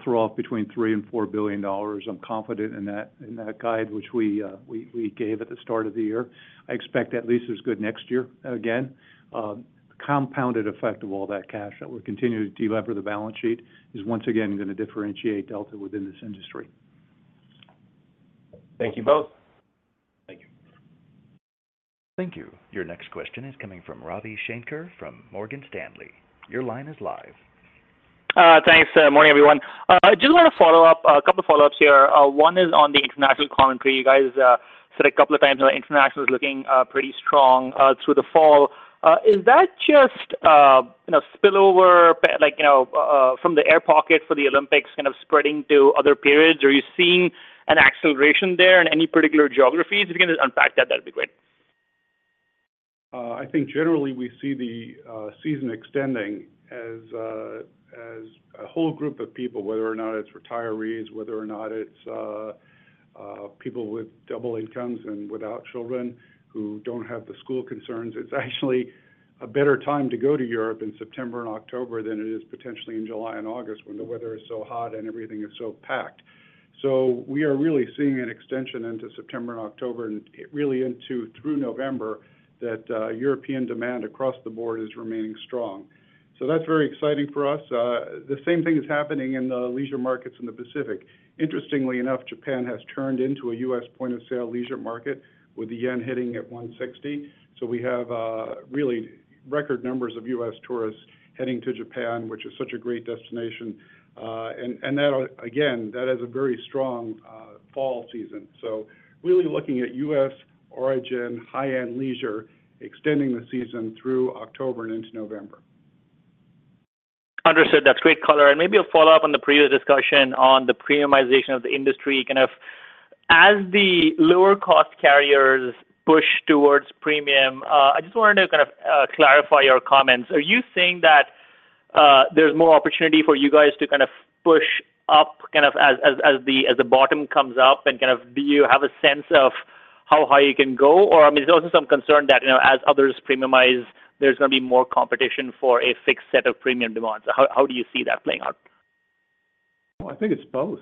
throw off between $3 billion and $4 billion. I'm confident in that guide, which we gave at the start of the year. I expect at least as good next year. Again, compounded effect of all that cash that we're continuing to delever the balance sheet is once again gonna differentiate Delta within this industry. Thank you both. Thank you. Thank you. Your next question is coming from Ravi Shanker from Morgan Stanley. Your line is live. Thanks. Morning, everyone. Just want to follow up, a couple of follow-ups here. One is on the international commentary. You guys said a couple of times that international is looking pretty strong through the fall. Is that just, you know, spillover, like, you know, from the air pocket for the Olympics kind of spreading to other periods? Are you seeing an acceleration there in any particular geographies? If you can just unpack that, that'd be great. I think generally we see the season extending as a whole group of people, whether or not it's retirees, whether or not it's people with double incomes and without children who don't have the school concerns. It's actually a better time to go to Europe in September and October than it is potentially in July and August, when the weather is so hot and everything is so packed. So we are really seeing an extension into September and October and really into through November, that European demand across the board is remaining strong. So that's very exciting for us. The same thing is happening in the leisure markets in the Pacific. Interestingly enough, Japan has turned into a U.S. point-of-sale leisure market, with the yen hitting at 160. So we have really record numbers of U.S. tourists heading to Japan, which is such a great destination. And that, again, that has a very strong fall season. So really looking at U.S. origin, high-end leisure, extending the season through October and into November. Understood. That's great color. And maybe a follow-up on the previous discussion on the premiumization of the industry. Kind of as the lower-cost carriers push towards premium, I just wanted to kind of clarify your comments. Are you seeing that there's more opportunity for you guys to kind of push up, kind of as the bottom comes up? And kind of, do you have a sense of how high you can go, or I mean, there's also some concern that, you know, as others premiumize, there's going to be more competition for a fixed set of premium demands. So how do you see that playing out? Well, I think it's both.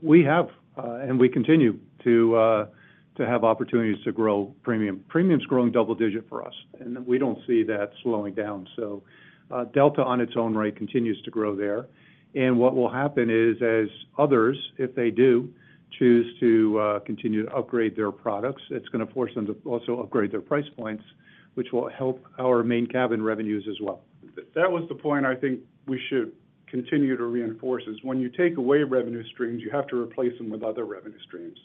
We have, and we continue to, to have opportunities to grow premium. Premium's growing double digit for us, and we don't see that slowing down. So, Delta, on its own right, continues to grow there. And what will happen is, as others, if they do, choose to, continue to upgrade their products, it's going to force them to also upgrade their price points, which will help our Main Cabin revenues as well. That was the point I think we should continue to reinforce, is when you take away revenue streams, you have to replace them with other revenue streams.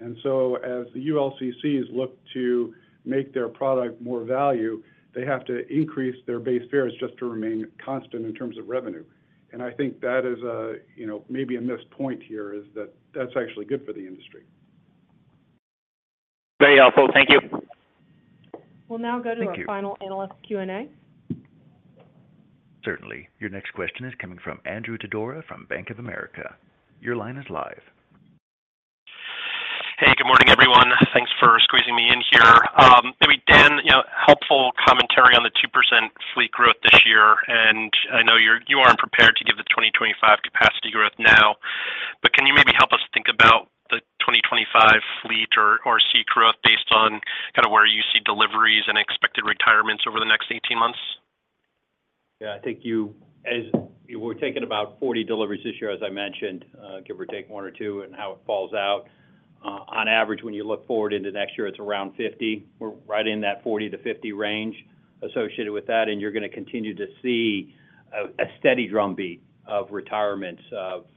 And so as the ULCCs look to make their product more value, they have to increase their base fares just to remain constant in terms of revenue. I think that is a, you know, maybe a missed point here, is that that's actually good for the industry. Very helpful. Thank you. Thank you. We'll now go to our final analyst Q&A. Certainly. Your next question is coming from Andrew Didora from Bank of America. Your line is live. Hey, good morning, everyone. Thanks for squeezing me in here. Maybe Dan, you know, helpful commentary on the 2% fleet growth this year, and I know you're you aren't prepared to give the 2025 capacity growth now, but can you maybe help us think about the 2025 fleet or, or seat growth based on kind of where you see deliveries and expected retirements over the next 18 months? Yeah, I think you, As we're taking about 40 deliveries this year, as I mentioned, give or take one or two, and how it falls out. On average, when you look forward into next year, it's around 50. We're right in that 40-50 range associated with that, and you're going to continue to see a steady drumbeat of retirements,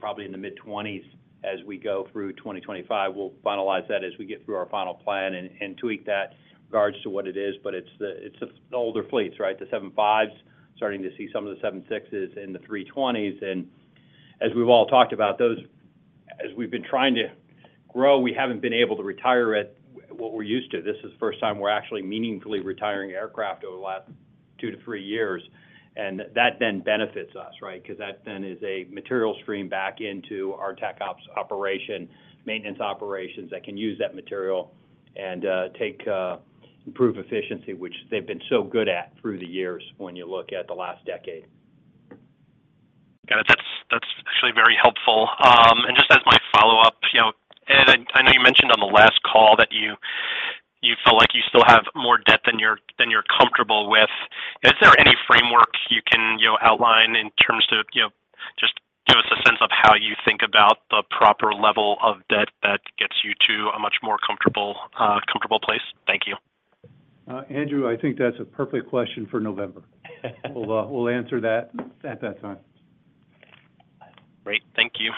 probably in the mid-20s as we go through 2025. We'll finalize that as we get through our final plan and tweak that in regards to what it is, but it's the older fleets, right? The 757s, starting to see some of the 767s and the 320s. And as we've all talked about, those—as we've been trying to grow, we haven't been able to retire at what we're used to. This is the first time we're actually meaningfully retiring aircraft over the last two to three years, and that then benefits us, right? Because that then is a material stream back into our TechOps operation, maintenance operations, that can use that material and improve efficiency, which they've been so good at through the years, when you look at the last decade. Got it. That's, that's actually very helpful. And just as my follow-up, you know, Ed, I know you mentioned on the last call that you, you felt like you still have more debt than you're, than you're comfortable with. Is there any framework you can, you know, outline in terms of, you know, just give us a sense of how you think about the proper level of debt that gets you to a much more comfortable, comfortable place? Thank you. Andrew, I think that's a perfect question for November. We'll, we'll answer that at that time. Great. Thank you.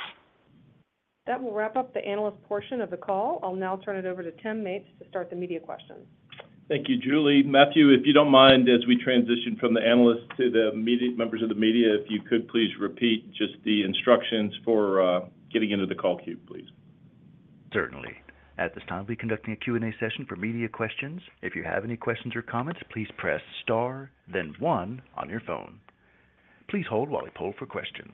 That will wrap up the analyst portion of the call. I'll now turn it over to Tim Mapes to start the media questions. Thank you, Julie. Matthew, if you don't mind, as we transition from the analysts to the media, members of the media, if you could please repeat just the instructions for getting into the call queue, please. Certainly. At this time, we'll be conducting a Q&A session for media questions. If you have any questions or comments, please press star, then one on your phone. Please hold while we poll for questions.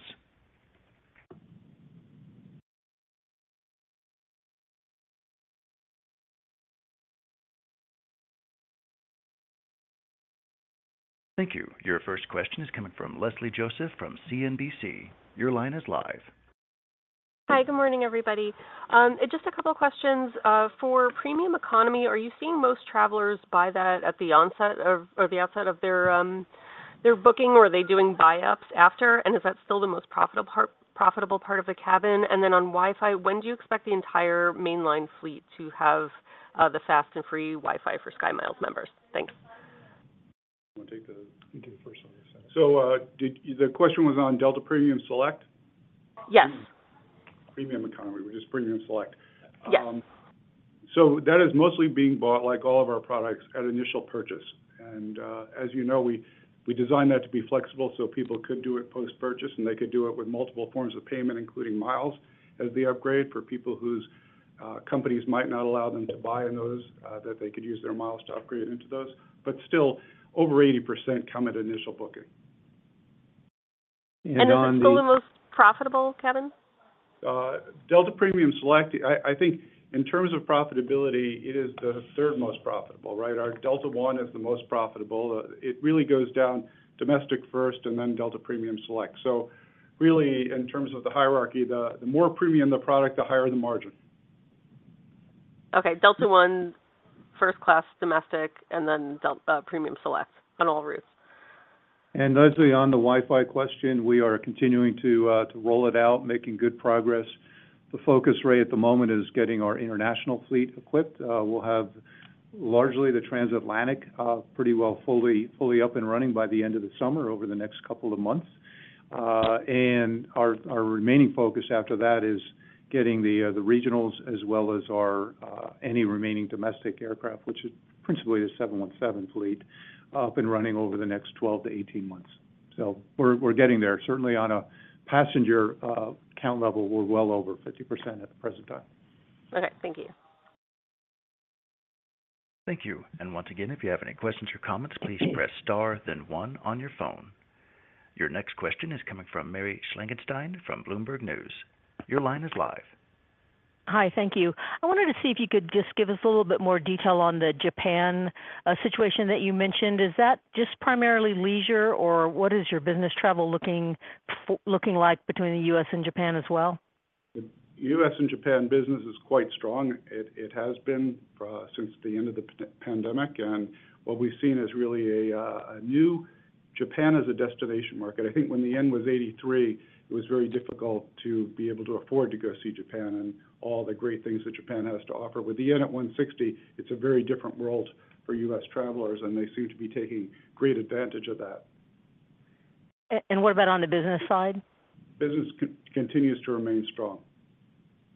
Thank you. Your first question is coming from Leslie Josephs, from CNBC. Your line is live. Hi, good morning, everybody. Just a couple questions. For premium economy, are you seeing most travelers buy that at the onset of, or the outset of their, travel? They're booking or are they doing buyups after? And is that still the most profitable part, profitable part of the cabin? And then on Wi-Fi, when do you expect the entire mainline fleet to have, the fast and free Wi-Fi for SkyMiles members? Thanks. Want to take the- You take the first one. The question was on Delta Premium Select? Yes. Premium Economy. Well, just Premium Select. Yes. So that is mostly being bought, like all of our products, at initial purchase. And, as you know, we designed that to be flexible so people could do it post-purchase, and they could do it with multiple forms of payment, including miles, as the upgrade for people whose companies might not allow them to buy on those, that they could use their miles to upgrade into those. But still, over 80% come at initial booking. And on the... Is it still the most profitable cabin? Delta Premium Select, I think in terms of profitability, it is the third most profitable, right? Our Delta One is the most profitable. It really goes down domestic first and then Delta Premium Select. So really, in terms of the hierarchy, the more premium the product, the higher the margin. Okay. Delta One, First Class, Domestic, and then Delta Premium Select on all routes. And Leslie, on the Wi-Fi question, we are continuing to roll it out, making good progress. The focus right at the moment is getting our international fleet equipped. We'll have largely the transatlantic pretty well fully, fully up and running by the end of the summer, over the next couple of months. And our, our remaining focus after that is getting the regionals as well as our any remaining domestic aircraft, which is principally the 717 fleet, up and running over the next 12-18 months. So we're getting there. Certainly on a passenger count level, we're well over 50% at the present time. Okay. Thank you. Thank you. Once again, if you have any questions or comments, please press Star then one on your phone. Your next question is coming from Mary Schlangenstein from Bloomberg News. Your line is live. Hi, thank you. I wanted to see if you could just give us a little bit more detail on the Japan situation that you mentioned. Is that just primarily leisure, or what is your business travel looking like between the U.S. and Japan as well? The U.S. and Japan business is quite strong. It has been since the end of the pandemic. What we've seen is really a new Japan as a destination market. I think when the yen was 83, it was very difficult to be able to afford to go see Japan and all the great things that Japan has to offer. With the yen at 160, it's a very different world for U.S. travelers, and they seem to be taking great advantage of that. What about on the business side? Business continues to remain strong.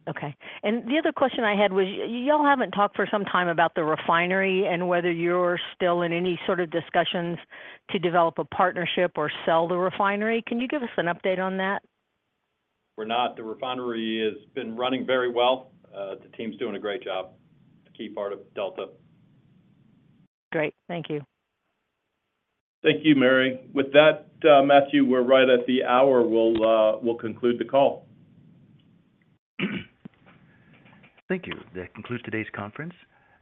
Okay. And the other question I had was, y'all haven't talked for some time about the refinery and whether you're still in any sort of discussions to develop a partnership or sell the refinery. Can you give us an update on that? We're not. The refinery has been running very well. The team's doing a great job, a key part of Delta. Great. Thank you. Thank you, Mary. With that, Matthew, we're right at the hour. We'll conclude the call. Thank you. That concludes today's conference.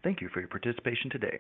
Thank you for your participation today.